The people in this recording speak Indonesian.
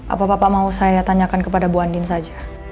apa pa mau saya tanyakan kepada ibu andin saja